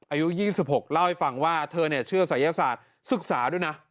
อายุ๒๖เล่าให้ฟังว่าเธอเชื่อศัยศาสตร์ศึกษาด้วยนะ